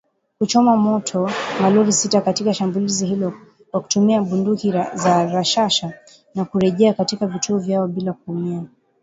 kuchoma moto malori sita katika shambulizi hilo kwa kutumia bunduki za rashasha na kurejea katika vituo vyao bila kuumia